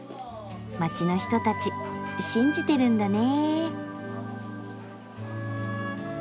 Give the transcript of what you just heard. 街の人たち信じてるんだね。